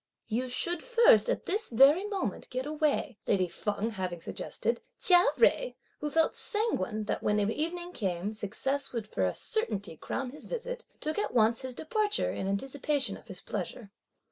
"You should first at this very moment get away!" lady Feng having suggested, Chia Jui, who felt sanguine that when evening came, success would for a certainty crown his visit, took at once his departure in anticipation (of his pleasure.)